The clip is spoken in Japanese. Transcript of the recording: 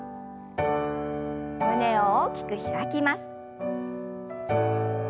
胸を大きく開きます。